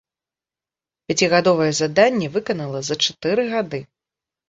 Пяцігадовае заданне выканала за чатыры гады.